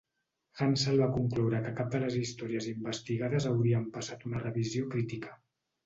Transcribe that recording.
Hansel va concloure que cap de les històries investigades haurien passat una revisió crítica.